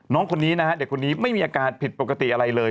น้องคนนี้นะฮะเด็กคนนี้ไม่มีอาการผิดปกติอะไรเลย